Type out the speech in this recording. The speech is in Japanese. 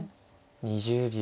２０秒。